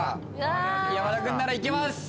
山田君ならいけます！